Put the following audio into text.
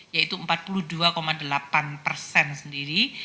yaitu empat puluh dua delapan persen sendiri